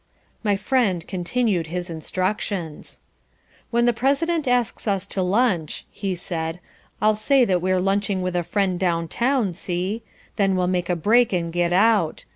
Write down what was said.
My friend continued his instructions. "When the President asks us to lunch," he said, "I'll say that we're lunching with a friend down town, see? Then we'll make a break and get out.